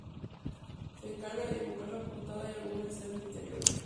Se encarga de dibujar la portada y algunas escenas interiores.